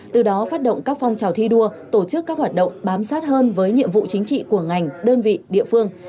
từ đó phát động các phong trào thi đua tổ chức các hoạt động bám sát hơn với nhiệm vụ chính trị của ngành đơn vị địa phương